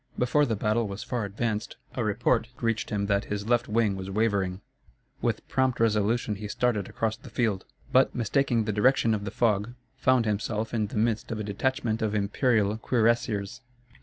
Before the battle was far advanced, a report reached him that his left wing was wavering. With prompt resolution he started across the field, but, mistaking the direction in the fog, found himself in the midst of a detachment of imperial cuirassiers.